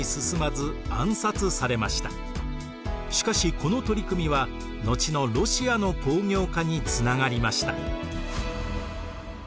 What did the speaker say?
しかしこの取り組みは後のロシアの工業化につながりました。